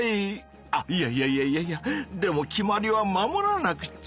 あいやいやいやいやいやでも決まりは守らなくちゃ！